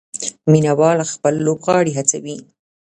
مینه وال خپل لوبغاړي هڅوي.